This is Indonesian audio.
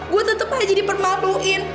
gue tetep aja dipermakluin